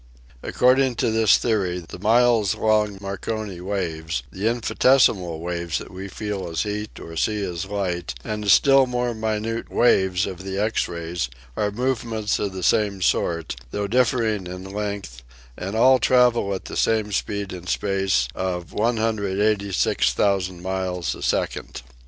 According to this theory the miles long Marconi waves, the infinites imal waves that we feel as heat or see as light and the still more minute waves of the X rays are movements of the same sort, though differing in length, and all travel at the same speed in space of 186,000 miles a second.